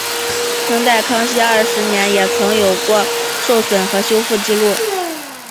清代康熙二十年也曾有过受损和修复纪录。